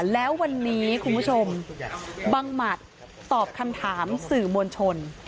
แล้ววันนี้คุณผู้ชมบังหมัดตอบคำถามสื่อมวลชน